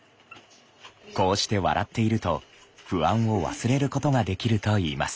こうして笑っていると不安を忘れることができるといいます。